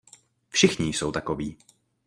Všichni jsou takoví.